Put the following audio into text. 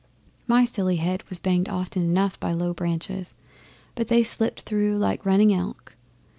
My silly head was banged often enough by low branches, but they slipped through like running elk.